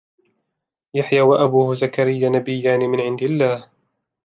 يحيى وأبوه زكريا نبيان من عند الله.